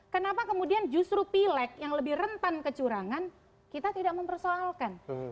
kenapa kemudian justru pileg yang lebih rentan kecurangan kita tidak mempersoalkan